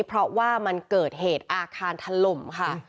เพราะว่ามันเกิดเหตุอาคารถล่มค่ะ